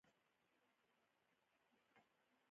• شتمني که سمه وکارول شي، عزت راوړي.